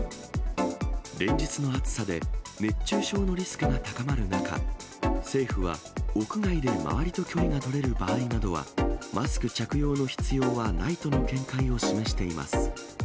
連日の暑さで、熱中症のリスクが高まる中、政府は屋外で周りと距離が取れる場合などは、マスク着用の必要はないとの見解を示しています。